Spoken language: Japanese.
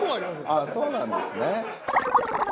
あっそうなんですね。